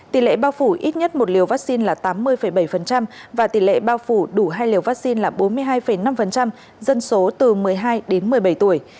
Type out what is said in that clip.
tỷ lệ bao phủ ít nhất một liều vaccine là tám mươi bảy và tỷ lệ bao phủ đủ hai liều vaccine là bốn mươi hai năm dân số từ một mươi hai đến một mươi bảy tuổi